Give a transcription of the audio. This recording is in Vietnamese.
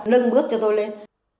lưng bước cho tôi lên